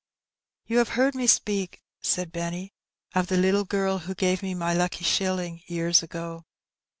'* "You have heard me speak," said Benny, "of the little girl who gave me my lucky shilling years ago